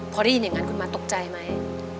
พอได้ยินอย่างนั้นคุณมาตกใจไหม